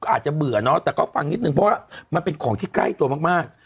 อาจจะเบื่อเนาะแต่ก็ฟังนิดนึงเพราะว่ามันเป็นของที่ใกล้ตัวมาก